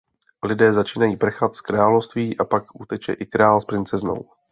Lidé začínají prchat z království a pak uteče i král s princeznou.